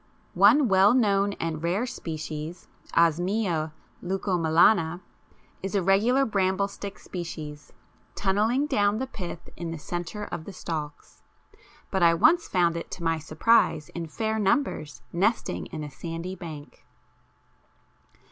One well known and rare species, Osmia leucomelana, is a regular bramble stick species, tunnelling down the pith in the centre of the stalks, but I once found it to my surprise in fair numbers nesting in a sandy bank.